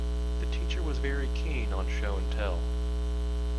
The teacher was very keen on Show and Tell.